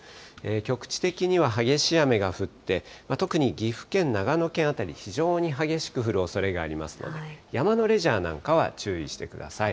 局地的には激しい雨が降って、特に岐阜県、長野県辺り、非常に激しく降るおそれがありますので、山のレジャーなんかは注意してください。